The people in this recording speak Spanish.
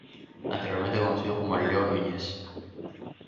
Anteriormente conocido como Leo Núñez.